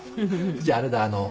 じゃああれだ。